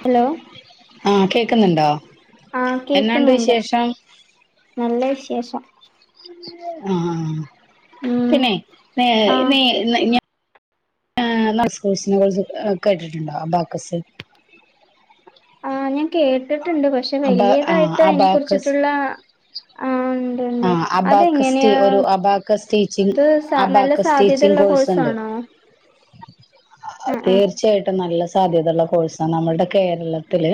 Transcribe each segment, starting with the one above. Hello ആഹ് കേക്കുന്നുണ്ടോ ആ എന്നാണ്ട് കേക്കുന്നുണ്ട്, വിശേഷം നല്ല വിശേഷം. ആ ഉം പിന്നെ നീ നീ ആഹ് [unintelligible] [unintelligible] കേട്ടിട്ടുണ്ടോ അബാക്കസ് ആ ഞാൻ കേട്ടിട്ടുണ്ട് പക്ഷെ അബ ആഹ് വലിയതായിട്ട് അതിനെ കുറിച്ചിട്ടുള്ള ആ ആ അബാക്കസ്റ്റി ഒരു അബാക്കസ് ടീച്ചിങ് ഇത് നല്ല അബാക്കസ് ടീച്ചിങ് സാധ്യതയുള്ള കോഴ്സുണ്ട് കോഴ്സാണോ ആഹ് ആഹ് തീർച്ചയായിട്ടും നല്ല സാധ്യതയുള്ള കോഴ്സാ നമ്മളുടെ കേരളത്തില്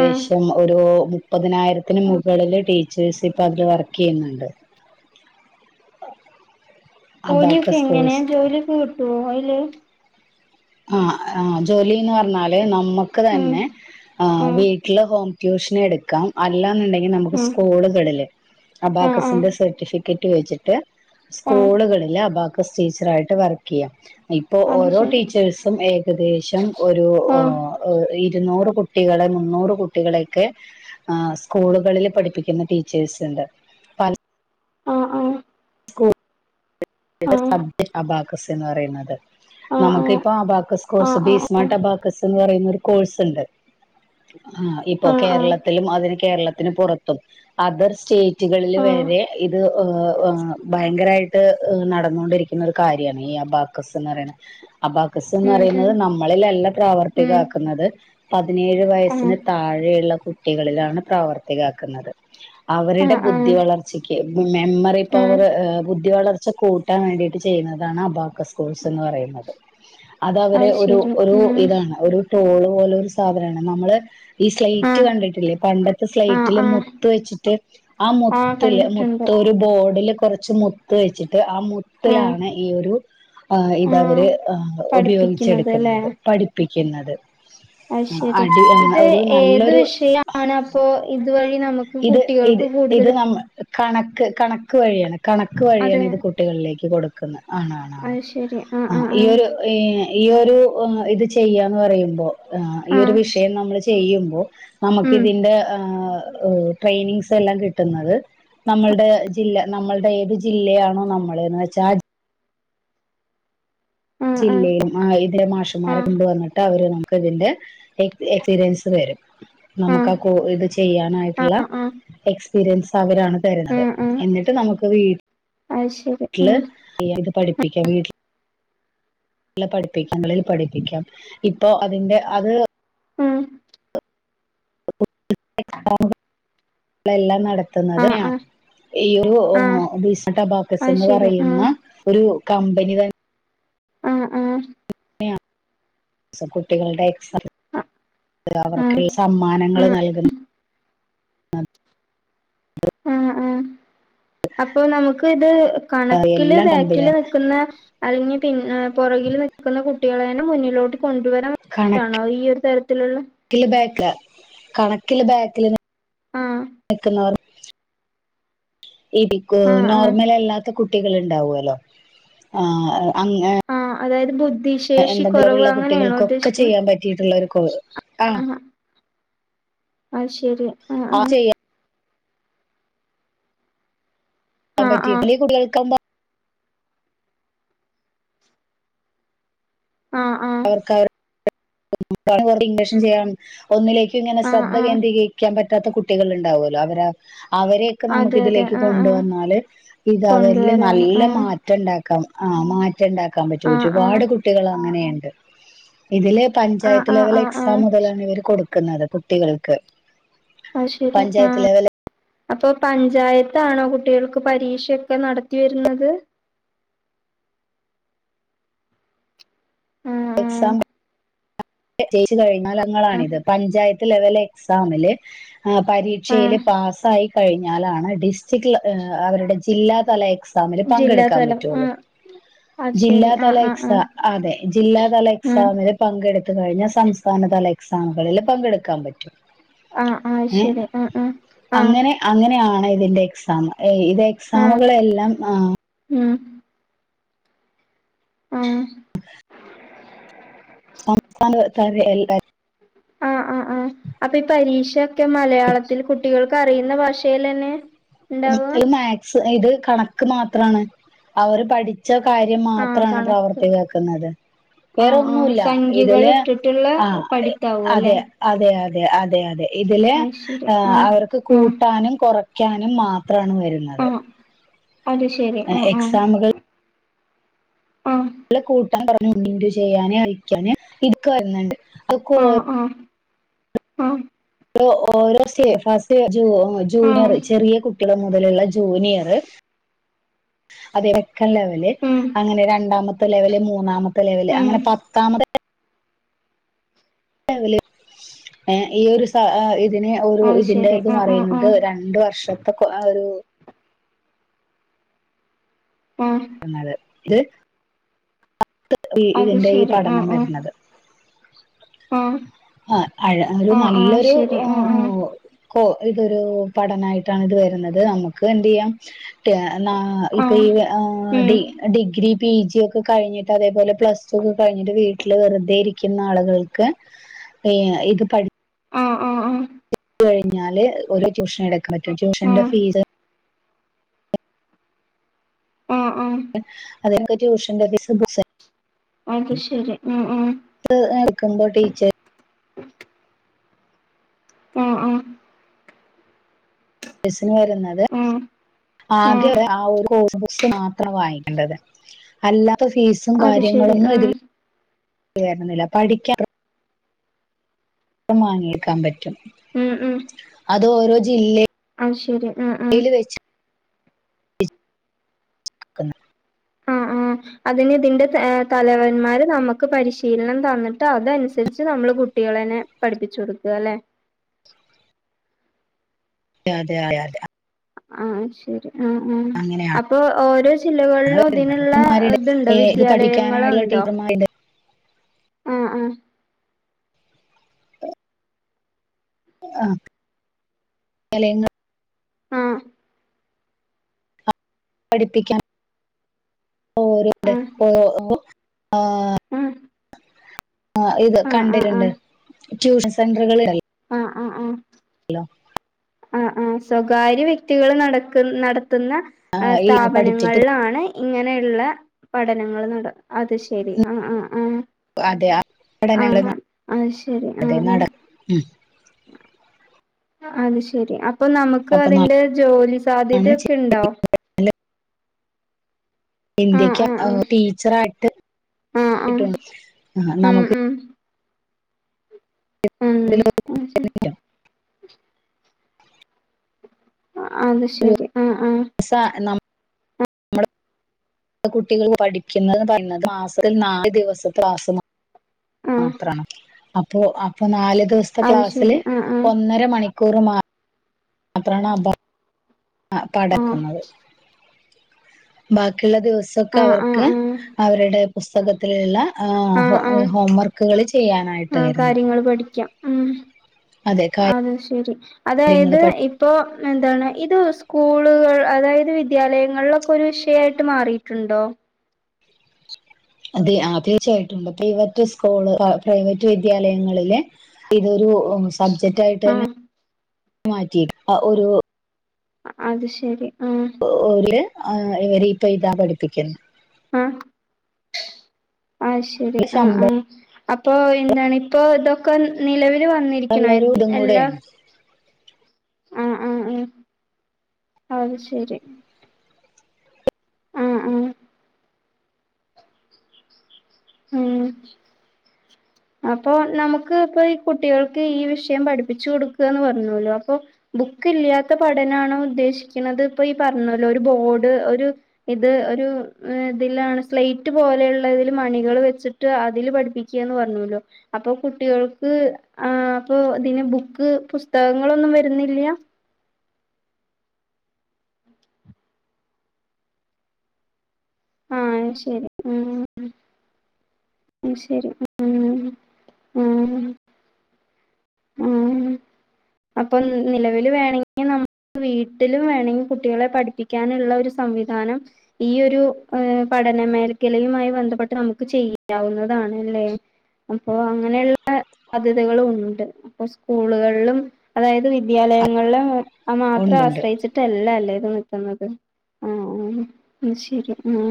ആഹ് ഒരു മുപ്പതിനായിരത്തിന് മുകളിൽ ടീച്ചേഴ്സിപ്പോ ഇപ്പോ അതില് വർക്ക് ചെയ്യുന്നുണ്ട് ജോലിയൊക്കെ അബാക്കസ് എങ്ങനെയാ കോഴ്സ് ജോലിയൊക്കെ കിട്ട്വോ [unintelligible] ആ ആഹ് ജോലിന്ന് പറഞ്ഞാല് ന നമ്മക്ക് ഉം തന്നെ ആഹ് വീട്ടില് ഹോം ട്യൂഷൻ എടുക്ക ക്കാം അല്ലാന്ന്ണ്ടെങ്ക ങ്കി നമക്ക് ഉം സ്കൂളുകളില് ആഹ് ആഹ് അമ്പാക്കസിന്റെ സർട്ടിഫിക്ക റ്റ് വെച്ചിട്ട് ആഹ് സ്കൂള്കളില് അമ്പാക്ക സ് ടീച്ചറായിട്ട് വർക്കേയ്യാം ഇപ്പോ അത് ഓരോ ശരി ടീച്ച സും ഏകദേശം ഒരു ഒ ആഹ് ഇരുന്നൂറ് കുട്ടികളെ മുന്നൂറ് കുട്ടികളെയക്കെ സ്കൂള്കളില് പഠിപ്പിക്കുന്ന ടീച്ചേഴ്സ്ണ്ട് പല ആഹ് ആഹ് ഇടെ ആഹ് സബ് അമ്പാ ക്കസ് എന്ന് പറയുന്നത് നമക്ക് ആഹ് ഇപ്പ അബാക്കസ് ആഹ് കോഴ്‌സ് ആഹ് ആഹ് ഫീസ്മാട്ട് അമ്പാക്കസ് ന്ന് പറയ്ന്നൊരു കോഴ്സ്ണ്ട് ആ ഇപ്പോ ആഹ് ആഹ് കേരളത്തിലും അവ കേരളത്തിന് പൊറത്തും അദർ സ്റ്റേ റ്റുകളില് ആഹ് വരെ ഇത് ഭയങ്കരായിട്ട് നടന്നോണ്ടിരിക്ക്ന്ന ഒരു കാര്യാണ് ഈ അബാക്കസ് ന്ന് പറയ്ണേ അബാക്കസ് എന്ന് ഉം ഉം പറയുന്നത് നമ്മളിലല്ല ഉം പ്രാവർത്തികാക്കുന്നത് പതിനേഴ് ആഹ് വയസ്സിന് താഴെയുള്ള കു ട്ടികളിലാണ് പ്രാവർത്തികാക്ക്ന്നത് അവര്ടെ ആഹ് ബുദ്ധി ആഹ് വളർച്ചക്ക് മെമ്മറി ആഹ് പവർ ബുദ്ധി വളർ ച്ച കൂട്ടാൻ വേണ്ടീട്ട് ചെയ്യുന്നതാണ് അബാക്കസ് കോഴ്സ് എന്ന് പറയുന്നത് അതവരെ അത് ഒരു ശരി ഒരു ഉം ഇതാണ് ഒരു ടോള് പോലൊരു സാധനാണ് നമ്മള് ഈ സ്ലൈറ്റ് ആഹ് കണ്ടിട്ടില്ലേ പണ്ടത്തെ ആഹ് സ്ലൈറ്റില് ആഹ് മുത്ത് വെച്ചിട്ട് ആ ആഹ് മുത്തില് കണ്ടിട്ടുണ്ട് മുത്ത് ഒരു ബോർഡില് കൊറച്ച് മുത്ത് വെച്ച് ട്ട് ആ ആഹ് മുത്തിലാണ് ഈ ഒരു ആഹ് ഇതവര് പഠിപ്പിക്കുന്നത് അല്ലേ ഉപയോഗിച്ചെടുക്ക്ന്നത് പഠിപ്പി ക്ക്ന്നത് അത് ശരി ഇത് ഏത് നല്ലൊരു വിഷയാണ് അപ്പോ ഇത് വഴി ഇത് ഇത് ഇത് നമ്മ കണക്ക് കണക്ക് വഴിയാണ് കണക്ക് വഴിയാണ് അതെ ഇത് കുട്ടികളിലേ ക്ക് കൊടുക്കുന്നെ ആണ് ആണ് ആണ് അത് ശരി ആഹ് ആ ആഹ് ഈ ആഹ് ഒരു ഈ ഈ ഒരു ഇത് ചെയ്യാന്ന് പറയുമ്പോൾ ഈ ഒരു ആഹ് വിഷയം നമ്മൾ ചെയ്യുമ്പോ നമുക്ക് ഉം ഇതിന്റെ ആ അ ട്രെയിനിംഗ്സ് എല്ലാം കിട്ടുന്നത് നമ്മളുടെ ജില്ല നമ്മളുടെ ഏത് ജില്ലയാണോ നമ്മളന്ന് വെച്ചാൽ ആ ജില്ലയിൽ ആഹ് ഇവരെ മാഷുമാരെ ആഹ് കൊണ്ടുവന്നിട്ട് അവരെ നമുക്ക് ഇതിന്റെ എക്സ് എക്സ്പീരിയൻസ് തരും, നമുക്ക് ആഹ് ആ കോ ഇത് ചെയ്യ ചെയ്യാനായിട്ടുള്ള ആഹ് ആഹ് എക്സ് എക്സ്പീരിയൻസ് അവരാണ് തരുന്നത്, ആഹ് ആഹ് എന്നിട്ട് നമുക്ക് വീ അത് ശരി ട്ടിൽ ഉം ഫ്രീ ആയിട്ട് പഠിപ്പി പ്പിക്കാം വീട്ടില് ട്ടില് പഠിപ്പിക്കുമ്പളെ പഠിപ്പിക്കാം, ഇപ്പൊ അതിന്റെ അതു. ഉം [inaudible] എല്ലാം നടത്തുന്നത് ആഹ് ആണ്, ആഹ് ഈയോ ആഹ് ഓഫീ അബാക്കസ് അത് എന്ന് ശരി പറയുന്ന ആഹ് ഒരു. കമ്പനി തന്നെ ഉം ഉം സ് കുട്ടികളുടെ. [unintelligible] ആഹ് അവർക്ക് സമ്മാനങ്ങൾ ആഹ് നൽകുന്നു. ഉം ഉം അപ്പൊ നമുക്ക് ഇത്. കണക്കില് എല്ലാം കമ്പനി ബാക്കില് തന്നെ നിൽക്കുന്ന. അല്ലെങ്കിൽ പിന്നെ പുറകിൽ നിൽക്കുന്ന കുട്ടികളേന്നെ മുന്നിലോട്ട്. കൊണ്ടുവരാൻ വേണ്ടാണോ കണക്കില് ഈ ഒരു തരത്തിലുള്ള. ക്കിലെ ബാക്ക്. ആഹ് നിൽക്കുന്നവർ ഈ ബിക്ക് ആഹ് ആഹ് നോർമൽ അല്ലാത്ത കുട് ട്ടികള് ഉണ്ടാവല്ലോ ആ എ അങ്‌ ആഹ് അതായത് ഏ ബുദ്ധിശേഷി എന്തെങ്കിലും കുറവ് ഉള്ള അങ്ങനെയാണോ കുട്ടികൾക്കൊക്കെ ഉദ്ദേശിക്കുന്നത് ചെയ്യാൻ പറ്റിയിട്ടുള്ള കോർ അ അഹ് ശെരിയാ ആ ആ [unintelligible] ആഹ് പറ്റിയി ആഹ് [unintelligible] ആഹ് അവർക്ക് അവര് [unintelligible] [unintelligible] ചെയ്യാൻ ഒന്നിലേക് ഇങ്ങെനെ ആഹ് ആഹ് ശ്രദ്ധ ആഹ് കേന്ദ്രീകരിക്കാൻ പ റ്റാത്ത കുട്ടികൾ ഉണ്ടാവോല്ലോ അവരാ അവരെയൊക്കെ നമുക്ക് അതെ അതെ ഇതിലേക്ക് ആഹ് ആഹ് കൊണ്ടുവന്നാല് ഇത അവര്ല് കൊണ്ടുവരാന് നല്ല ആഹ് മാറ്റംണ്ടാ കം ആ മാറ്റ് ച്ച് ണ്ടാക്കാൻ പറ്റും ആഹ് ഒരുപാട് ആഹ് കുട്ടികൾ അങ്ങനേ ഇതിലെ ആഹ് പഞ്ചായത്ത് ആഹ് ലെവൽ ആഹ് എക്സാം ആഹ് മുതലാണ് ഇവർ കൊടു ക്കുന്നത് കുട്ടികൾക്ക് അത് ശരി പഞ്ചായത്ത് ആഹ് ലെവൽ അപ്പൊ പഞ്ചായത്താണോ കുട്ടികൾക്ക് പരീക്ഷയൊക്കെ നടത്തി വരുന്നത്? ആഹ് എക്സാം [unintelligible] [unintelligible] ആഹ് [unintelligible] പഞ്ചായ [unintelligible] ലെവല് എക്സാമില് ആഹ് ആഹ് പരീക്ഷയില് ആഹ് പാസ്സായി കഴിഞ്ഞാലാണ് ഡിസ്ട്രിക്റ്റില് ഏഹ് അവരുടെ ജില്ലാ തല എ ക്സാമില് പങ്കെടുക്കാൻ ജില്ലാതലം പറ്റോളു ആഹ് അത് ജില്ലാ ശരി ആഹ് തല ആഹ് എക്സാ ആഹ് അതെ ജില്ലാ തല ആഹ് എക്സാമിന് പങ്കെടു [unintelligible] കഴിഞ്ഞാൽ സംസ്ഥാനതല എക്സാമുകളില് പങ്കെടുക്കാൻ പറ്റും ആഹ് ആഹ് ഏഹ് ശരി ആഹ് ആഹ് ആഹ് അങ്ങനെ അങ്ങനെയാണ് ഇതിന്റെ എക്സാംമ്. ഏഹ് ഇത് ആഹ് എക്സാമുകളെല്ലാം ആ ഉം ആഹ് ഒറപ്പാണിത് പഴേ എല്ലാ ആ ആ ആ അപ്പൊ ഈ പരീക്ഷൊക്കെ മലയാളത്തിൽ കുട്ടികൾക്ക് അറിയുന്ന ഭാഷ റ്റേലന് മാക്സ് ഇത് കണക്ക് മാത്രണ് അവര് പഠി കാര്യം ആഹ് മാത്രാണ് കണക്ക് പ്രവർത്തി കേക്കുന്നത് ആഹ് ആഹ് വേറൊന്നുല്ല സംഖ്യകൾ ഇതില് ഇട്ടിട്ടുള്ള ആ പഠിത്താവും അല്ലെ അതെ അതെ അതെ അത് അതെ അതെ ഇതില് അത് ശരി ആഹ് അവർക്ക് ആഹ് കൂട്ടാനും കുറക് ക്യാ മാം അത്രാണ് വരുന്നത് ആഹ് അത് ശെരി ആ ആ കൂട്ട പറ ഉം ഇന്റു ചെയ്യാനേ കഴിക്കാന് ഇട്ക്ക വരുന്നുണ്ട് അക്കോര് ആഹ ഓരോ സ്റ്റ ഫാസ്റ്റ് ജൂ ജൂനിയറ് ആഹ് ചെറ്യേ കുട്ട്യേളും അലുള്ള ജൂനിയറ് അതെ ക്കലെവല് ഉം അങ്ങനെ രണ്ടാമത്തെ ലെവല് മൂ ന്നാമ ലെവല് അങ്ങനെ ഉം പത്താമത് ലെവല് ഏ ഈ ഒരു സാ ഇതിനെ ഒരു അത് ഇതിന്റെ ശരി ത്‌ ആഹ് ആഹ് പറയുന്നത് ആഹ് രണ്ട് വർഷത്തെ കൊ ഒരു ആഹ ത് [unintelligible] അത് ഇതിന്റെ ഈ പഠനം വര്ന്നത് ഉം ഹ് ആ അയ ഒരു നല്ലൊരു ഓ ആഹ് ആഹ് ക്കൊ ഇതൊരു പഠനായിട്ടാണ് ഇത് വര്ന്നത് നമ്മുക്കെന്തയ്യാം എന്നാ ഇപ്പൊ ആഹ് ഈ ഡി ഉം ഡിഗ്രി പി ജി ഒക്കെ കഴിഞ്ഞിട്ട് അതേപോലെ പ്ലസ് ടു ഒക്കെ കഴിഞ്ഞിട്ട് വീട്ടില് വെറുതെ ഇരിക്കുന്ന ആള്കൾക്ക്- ഇത് പഠി ആഹ് ആഹ് ആഹ്- ച്ച് കഴിഞ്ഞാല് ഒരു ട്യൂഷൻ എടു പറ്റും ആഹ് ട്യൂഷന്റെ ആഹ് ഫീസ്- ആഹ് ആഹ് [unintelligible] ട്യൂഷന്റെ ഫീസ് അത് [unintelligible] ശരി ഉം ഉം [inaudible] ടീച്ചർ ഉം ഉം എസ്- ഇത് വരുന്നത് ആഹ് ആഹ് ആദ്യം ആ ഒരു കോഴ്സ്- സ് മാത്രം ആയിട്ടുള്ളത് അല്ലാ ത്തഫീസും അത് ശരി കാര്യങ്ങളൊന്നും ഉം ഇതില്- [unintelligible] പഠിക്കാ വാങ്ങിയെക്കാൻ പറ്റും ഉം ഉം അത് ഓരോ ജില്ലയി അഹ് ശരി ആഹ് ആഹ് ക്കുന്നെ ആഹ് ആഹ് അതിന് ഇതിൻ്റെ എ തലവന്മാര് നമ്മുക്ക് പരിശീലനം തന്നിട്ട് അത് അനുസരിച്ച് നമ്മള് കുട്ടികളിനെ പഠിപ്പിച്ചു കൊടുക്കും അല്ലെ അതെഅതെ [inaudible] ആഹ് ശരി ഉം ഉം അങ്ങനെയാണ് അപ്പൊ ഓരോ ജില്ലകളിലും വരുന്നത് ഇതിനുള്ള ഇതുണ്ടോ ഏ, ഇത് വിദ്യാലയങ്ങൾ പഠിക്കാനായുള്ള ഉണ്ടോ ടീച്ചർമാരുണ്ട് ആഹ് ആഹ് ആഹ് [unintelligible] ആഹ് പഠിപ്പിക്കാം [inaudible] ഓ ആഹ് ഓ ആഹ് ആഹ് ഇത് ആഹ് ആഹ് കണ്ടിട്ടുണ്ട് ആഹ് ട്യൂഷൻ സെന്റുകളൾ [inaudible] ആ ആ ആ ഹലോ ആ ആ സ്വകാര്യ വ്യക്തികൾ നടക്കു നടക്കു കുന്ന ആ, ഈ പഠിച്ചിട്ട് സ്ഥാപനങ്ങളിലാണ് ഇങ്ങനെ ഉള്ള പഠനങ്ങൾ നട അത് ശരി ആ ആ ആ അതെ ആ പടനങ്ങൾ അത് അതെ നട ഉം അ അത് ശരി അപ്പൊ നമുക്ക് അപ്പൊ അതിന്റെ ജോലി നല്ലതാണ് സാധ്യതൊക്കെ ഉണ്ടോ ചെയ്യുന്നത്. ആഹ് ഇന്ത്യക്ക് ആഹ് ടീച്ചറായിട്ട് ആഹ് ആഹ് ആഹ് കിട്ടൊള്ളു ഉം നമുക്ക് ഉം ഇതിൽ ഉം അത് ശരി വരുന്നില്ല. അത് ശരി ആഹ് ആഹ് സ ണ്ണം നമ്മളെ കുട്ടികൾ പഠിക്കുന്നത് പറഞ്ഞത് മാസത്തിൽ നാല് ദിവസത്തെ ക്ലാസ്സാണ് ആഹ് മാത്രാ അപ്പോ അപ്പോ നാല് ദിവസത്തെ അത് ക്ലാസ്സില് ശരി ആഹ് ആഹ് ഒന്നര മണി കുറമാ മാത്രാണ് അബ ആ ആഹ് പടക്കങ്ങള്- ബാക്കി- ഉള്ള ദിവസക്കെ ആഹ് ആഹ് അവർക്ക് ആഹ് അവരുടെ പുസ്തകത്തിലുള്ള ഹാ ഹോംവർക്ക്- കോളേജ്ക്ക്- ഉം കാര്യങ്ങൾ പഠിക്കാം- ഉം അതെ ശരി കാര്യങ്ങൾ അതായത് പഠി ഇപ്പോ എന്താണ് ഇത് സ്കൂളുകൾ അതായത് വിദ്യാലയങ്ങളിലൊക്കെ ഒരു വിഷയായിട്ട് മാറിട്ടുണ്ടോ? അതെ ആ തീർച്ചയായിട്ടുണ്ട് പ്രൈവറ്റ് സ്കൂള് ആ പ്രൈവറ്റ് വിദ്യാലയങ്ങളിലെ ഇതൊരു സ് ബഡ്ജറ്റ് ആയിട്ടെന്നെ ആഹ് മാറ്റി ആ ഒരു അ അത് ശരി ആഹ് ഒ ഓല് ആ ഇവര് ഇപ്പൊ എയൂതാൻ പഠിപ്പിക്കല് അ അയ് ശരി അആ ശമ്പളമുള്ള അപ്പൊ എന്താണ് ഇപ്പൊ ഇതൊക്ക നിലവിൽ ല് വന്നിരിക്കണായ് ഒരു ഇതും എല്ലാ കൂടെയാണ് ആ ആ ആ അഹ് ശരി ആആ ഉം അപ്പൊ നമുക്ക് പ്പൊ ഈ കുട്ടികൾക്ക് ഈ വിഷയം പഠിപ്പിച്ചു കൊടുക്കുകാന്ന് പറഞ്ഞോല്ലോ അപ്പൊ ബുക്ക് ഇല്ല്യാത്ത പഠനാണോ ഉദ്ദേശിക്ക്ണത് ഇപ്പൊ ഈ പറഞ്ഞോലോ ഒരു ബോർഡ് ഒരു ഇത് ഒരു ഇതിലാണ് സ്ലൈറ്റ് പോലെയുള്ളതിൽ മണികൾ വെച്ചിട്ട് അതിൽ പഠിപ്പിക്കുകാന്ന് പറഞ്ഞു അപ്പൊ കുട്ടികൾക്ക് ആ അപ്പൊ ഇതിന് ബുക്ക് പുസ്തകങ്ങളൊന്നും വരുന്നില്ല്യ ആ ശരി ആ ശരി ആ ആ ആ അപ്പൊ നിലവില് വേണെങ്കി നമ്മുക്ക് വീട്ടിലും വേണെങ്കി കുട്ടികളെ പഠിപ്പിക്കാനുള്ള ഒരു സംവിധാനം ഈ ഒരു പഠന മേൽഖലയുമായി ബന്ധപ്പെട്ട് നമുക്ക് ചെയ്യാവുന്നതാണ് ല്ലേ അപ്പൊ അങ്ങനെയ്ള്ള സാധ്യതകളും ഉണ്ട് അപ്പൊ സ്കൂള്കളിലും അതായത് വിദ്യാലയങ്ങള്ള്ൽ മാത്രം ഉണ്ടുണ്ട് ആശ്രയിച്ചിട്ടല്ല അത് എത്ത്ന്നത് ആ ആ ശരി ആ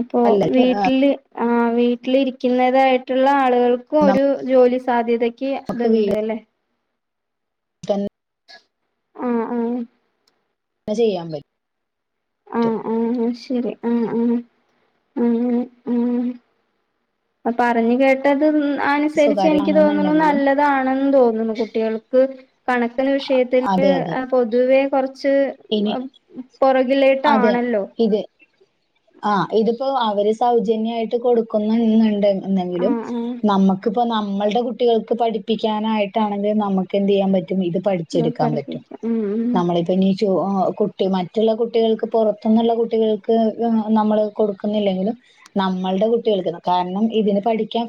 അപ്പൊ അല്ല വീട്ടില് ആ വീട്ടിലിരിക്കുന്നതായ്ട്ട്ള്ള ആള്കൾക്കും ഒരു ജോലി സാധ്യതക് [unintelligible] ത്ണ്ട് ല്ലെ തൻ ആ ആ ചെയ്യാൻ പറ്റ് ആ ആ ശരി ഉം ഉം ഉം ഉം അ പറഞ്ഞു കേട്ടതും അനുസരിച്ച് സ്വകാര്യ എനിക്ക് തോന്നുന്നു ആണെന്നുണ്ടെങ്കിലും നല്ലതാണെന്ന് തോന്നുന്നു കുട്ടികൾക്ക് കണ വിഷയത്തിൽ അതെ അതെ പൊതുവെ കെറച്ച് ഇനി അച്ച് പെറകിലേട്ടാണല്ലോ ആ് ഇതിപ്പോ അവര് സൗജന്യമായിട്ട് കൊടുക്കുന്നു എന്നുണ്ട് എന്നെങ്കിലും ആഹ് നമക്ക് ഇപ്പോൾ നമ്മളുടെ കുട്ടികൾക്ക് പഠിപ്പിക്കാനായിട്ടാണെങ്കിൽ നമക്ക് എന്ത് ചെയ്യാൻ പറ്റും ഇത് ആഹ് പഠിച്ചെടുക്കാൻ പറ്റും പഠിപ്പിക്കാം ഉം ഉം നമ്മളിപ്പി കുട്ടി മറ്റുള്ള കു കുട്ടികൾക്ക് പുറത്തുന്നുള്ള കുട്ടികൾക്ക് നമ്മള് കൊടുക്കുന്നില്ലെങ്കിലും നമ്മളെടെ കാരണം ഇതിന് പഠിക്കാം